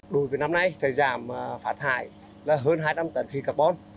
đối với năm nay thời giảm phát thải là hơn hai năm tận khí carbon